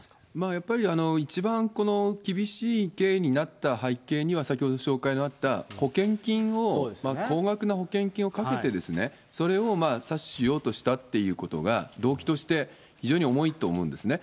やっぱり一番厳しい刑になった背景には、先ほど紹介のあった、保険金を高額な保険金をかけて、それを詐取しようとしたということが、動機として非常に重いと思うんですね。